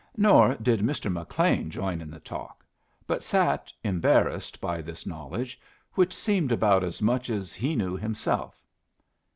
Nor did Mr. McLean join in the talk, but sat embarrassed by this knowledge, which seemed about as much as he knew himself.